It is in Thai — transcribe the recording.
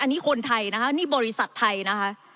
อันนี้คนไทยอันนี้บริษัทไทย